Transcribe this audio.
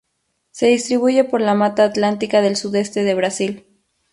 Se distribuye por la mata atlántica del sudeste de Brasil.